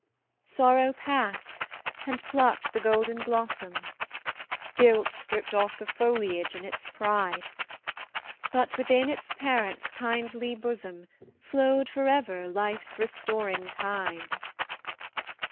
Sorrow passed, and plucked the golden blossom; Guilt stripped off the foliage in its pride But, within its parent's kindly bosom, Flowed for ever Life's restoring tide.